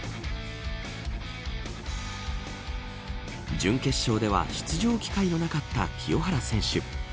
準決勝では出場機会のなかった清原選手。